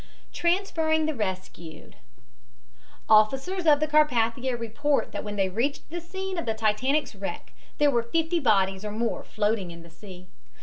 TRANSFERRING THE RESCUED Officers of the Carpathia report that when they reached the scene of the Titanic's wreck there were fifty bodies or more floating in the sea.